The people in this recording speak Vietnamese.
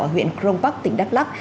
ở huyện crong park tỉnh đắk lắc